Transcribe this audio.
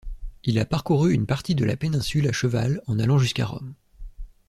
Il a parcouru une partie de la péninsule à cheval en allant jusqu'à Rome.